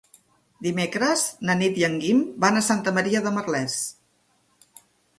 Dimecres na Nit i en Guim van a Santa Maria de Merlès.